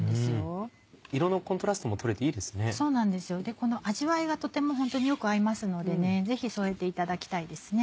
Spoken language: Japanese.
この味わいがとてもホントによく合いますのでぜひ添えていただきたいです。